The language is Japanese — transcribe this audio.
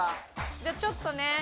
じゃあちょっとね。